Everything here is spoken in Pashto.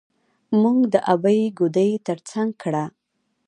موږ د ابۍ ګودى تر څنګ کړه.